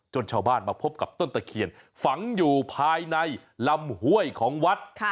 ชาวบ้านมาพบกับต้นตะเคียนฝังอยู่ภายในลำห้วยของวัด